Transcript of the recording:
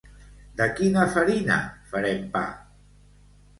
De quina farina farem pa?